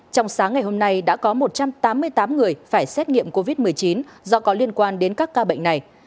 trong sáng ngày hôm nay đã có một trăm tám mươi tám người phải xét nghiệm covid một mươi chín do có liên quan đến các ca bệnh này